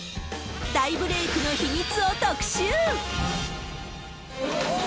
大ブレークの秘密を特集。